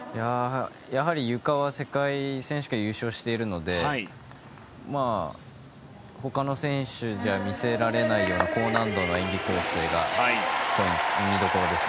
やはり、ゆかは世界選手権、優勝しているのでほかの選手じゃ見せられないような高難度な演技構成が見どころです。